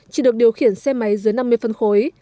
chỉ được điều khiển xe máy dưới năm mươi phân khối